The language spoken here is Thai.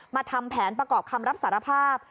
ทำแผนประกอบคำรับสารภาพ